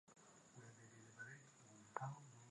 viazi lishe vikisha iva menya kwaajili ya kutumia kwa chakula